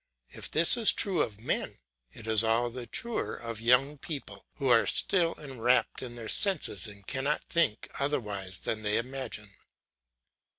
If this is true of men, it is all the truer of young people who are still enwrapped in their senses and cannot think otherwise than they imagine.